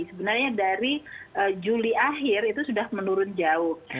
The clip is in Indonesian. sebenarnya dari juli akhir itu sudah menurun jauh